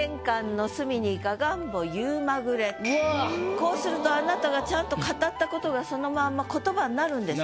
こうするとあなたがちゃんと語ったことがそのまんま言葉になるんです。